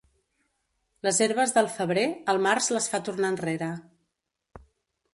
Les herbes del febrer, el març les fa tornar enrere.